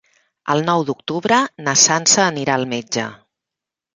El nou d'octubre na Sança anirà al metge.